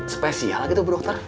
spesial gitu bu dokter